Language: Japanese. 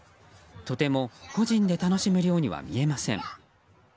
とても個人で楽しむ量には見えません。